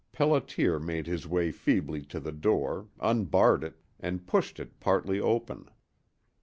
Pelliter made his way feebly to the door, unbarred it, and pushed it partly open.